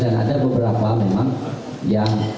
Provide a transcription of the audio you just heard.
dan ada beberapa memang yang